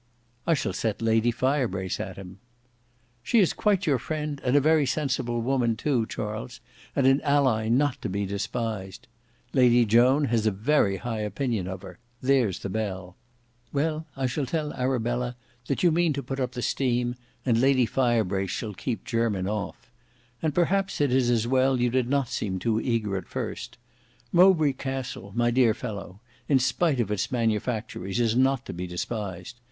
"I shall set Lady Firebrace at him." "She is quite your friend, and a very sensible woman too, Charles, and an ally not to be despised. Lady Joan has a very high opinion of her. There's the bell. Well, I shall tell Arabella that you mean to put up the steam, and Lady Firebrace shall keep Jermyn off. And perhaps it is as well you did not seem too eager at first. Mowbray Castle, my dear fellow, in spite of its manufactories, is not to be despised.